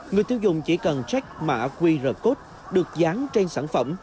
người tiêu dùng chỉ cần check mã qr code được dán trên sản phẩm